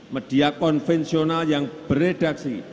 media konvensional yang beredaksi